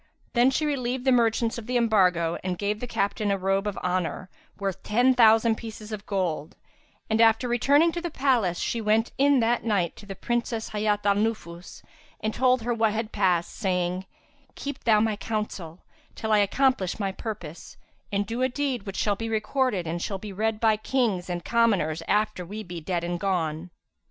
Then she relieved the merchants of the embargo and gave the captain a robe of honour worth ten thousand pieces of gold; and, after returning to the palace, she went in that night to the Princess Hayat al Nufus and told her what had passed, saying, "Keep thou my counsel, till I accomplish my purpose, and do a deed which shall be recorded and shall be read by Kings and commoners after we be dead and gone."